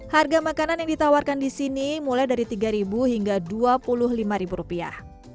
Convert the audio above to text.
harga makanan yang ditawarkan disini mulai dari tiga ribu hingga dua puluh lima rupiah